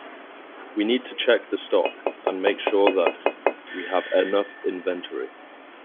We need to check the stock, and make sure that we have enough inventory